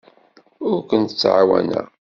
Ur kent-ttɛawaneɣ.